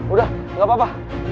udah gak apa apa